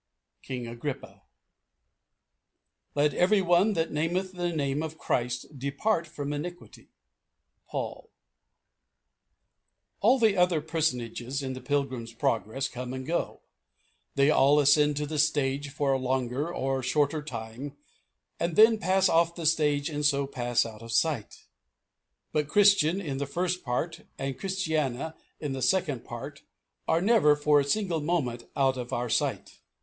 King Agrippa. "Let every one that nameth the name of Christ depart from iniquity." Paul. All the other personages in the Pilgrim's Progress come and go; they all ascend the stage for a longer or shorter time, and then pass off the stage and so pass out of our sight; but Christian in the First Part, and Christiana in the Second Part, are never for a single moment out of our sight.